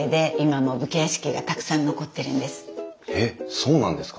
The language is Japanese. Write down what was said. えっそうなんですか？